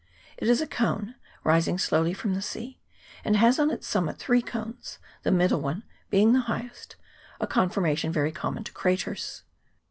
It is a cone, rising slowly from the sea, and has on its summit three cones, the middle one being the highest, a conformation very common to craters.